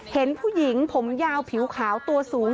เห็นผู้หญิงผมยาวผิวขาวตัวสูง